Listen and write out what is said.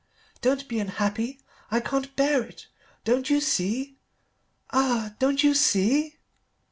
"Don't be unhappy! I can't bear it. Don't you see? Ah don't you see?"